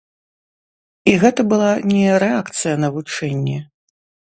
І гэта была не рэакцыя на вучэнні.